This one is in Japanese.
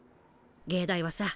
藝大はさ